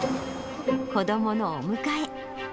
子どものお迎え。